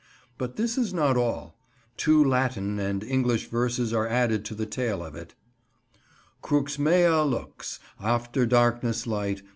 But this is not all. Two Latin and English verses are added to the tale of it— "Crux mea lux, After darkness light.